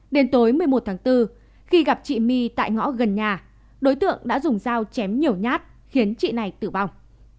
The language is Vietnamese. đến tối một mươi một tháng bốn khi gặp chị my tại ngõ gần nhà đối tượng đã dùng dao chém nhiều nhát khiến chị này tử vong